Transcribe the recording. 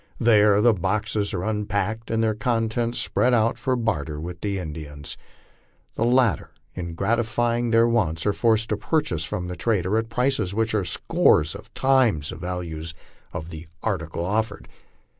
There the boxes are unpacked and their contents spread out for barter with the Indians. The latter, in grati fying their wants, are forced to purchase from the trader at prices which are scores of times the value of the article offered.